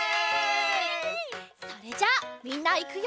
それじゃあみんないくよ！